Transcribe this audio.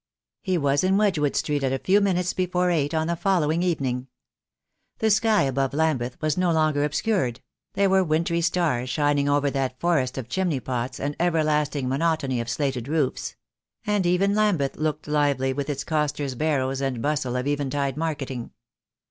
He was in Wedgewood Street at a few minutes before eight on the following evening. The sky above Lambeth was no longer obscured; there were wintry stars shining over that forest of chimney pots and everlasting monotony The Day will come. I. 1 8 274 THE DAY WILL C0ME of slated roofs; and even Lambeth looked lively with its costers' barrows and bustle of eventide marketing.